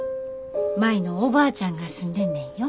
舞のおばあちゃんが住んでんねんよ。